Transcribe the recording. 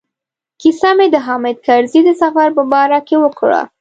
کیسه مې د حامد کرزي د سفر په باره کې وکړه.